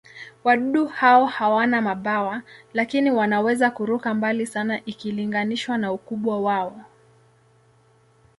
Wadudu hao hawana mabawa, lakini wanaweza kuruka mbali sana ikilinganishwa na ukubwa wao.